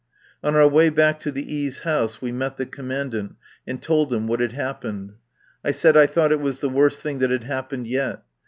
On our way back to the E.s' house we met the Commandant and told him what had happened. I said I thought it was the worst thing that had happened yet.